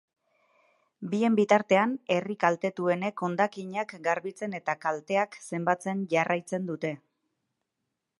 Bien bitartean, herri kaltetuenek hondakinak garbitzen eta kalteak zenbatzen jarraitzen dute.